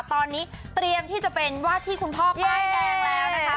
ตอนนี้เตรียมที่จะเป็นวาดที่คุณพ่อป้ายแดงแล้วนะคะ